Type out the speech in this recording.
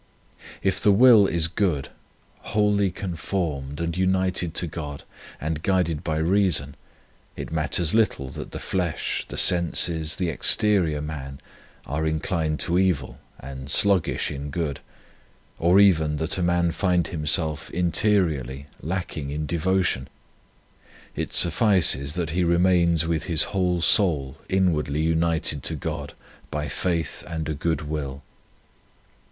If the will is good, wholly con formed and united to God, and guided by reason, it matters little that the flesh, the senses, the exterior man are inclined to evil and sluggish in good, or even that a man find himself interiorly lack ing in devotion. 1 It suffices that he remains with his whole soul inwardly united to God by faith and a good will.